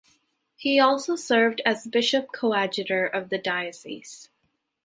He also served as bishop coadjutor of the diocese.